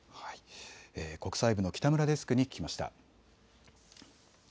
国際部の北村デスクに聞きました。